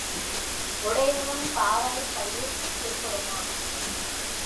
உடையவன் பாராப் பயிர் உருப்படுமா?